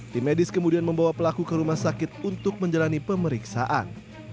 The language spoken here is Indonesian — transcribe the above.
tim medis kemudian membawa pelaku ke rumah sakit untuk menjalani pemeriksaan